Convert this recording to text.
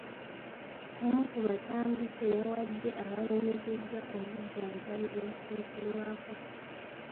Omu kubatambuze yawadde abalumiziddwa obujjanjabi obusookerwako.